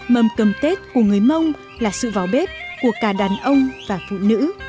mâm cơm tết của người mông là sự vào bếp của cả đàn ông và phụ nữ